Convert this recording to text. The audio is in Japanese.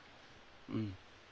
うん。